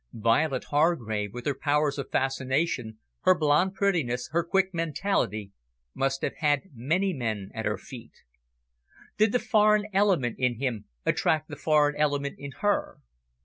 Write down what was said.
Violet Hargrave, with her powers of fascination, her blonde prettiness, her quick mentality, must have had many men at her feet. Did the foreign element in him attract the foreign element in her?